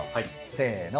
せの。